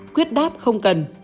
quyết đáp không cần